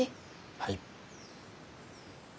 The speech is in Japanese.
はい。